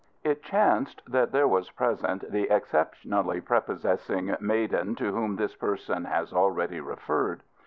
It chanced that there was present the exceptionally prepossessing maiden to whom this person has already referred.